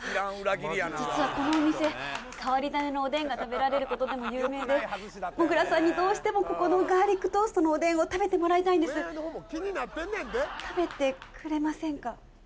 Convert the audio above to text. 実はこのお店変わり種のおでんが食べられることでも有名でもぐらさんにどうしてもここのガーリックトーストのおでんを食べてもらいたいんです食べてくれませんか？